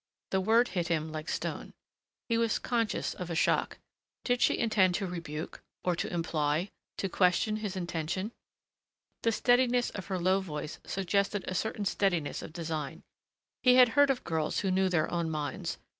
The word hit him like stone. He was conscious of a shock. Did she intend to rebuke or to imply to question his intention? The steadiness of her low voice suggested a certain steadiness of design.... He had heard of girls who knew their own minds